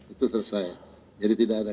itu selesai jadi tidak ada